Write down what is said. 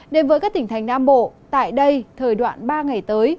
đến với các tỉnh thành nam bộ tại đây thời đoạn ba ngày tới